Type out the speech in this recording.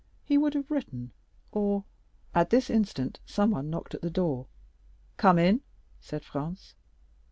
He would have written—or——" At this instant someone knocked at the door. "Come in," said Franz.